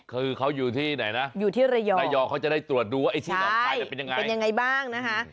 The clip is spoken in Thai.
คือเขาอยู่ที่ไหนนะอยู่ที่ระยองเขาจะได้ตรวจดูว่าไอ้ชิบหนองคายจะเป็นยังไง